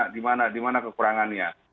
di mana kekurangannya